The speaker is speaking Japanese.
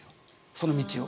その道を。